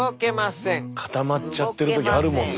固まっちゃってる時あるもんね。